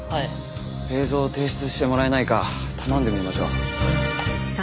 映像を提出してもらえないか頼んでみましょう。